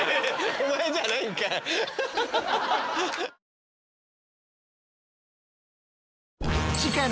お前じゃないんかい。